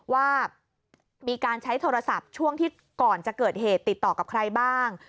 ว่ามีการใช้โทรศัพท์ช่วงที่ก่อนจะเกิดเหตุติดต่อกับใครบ้าง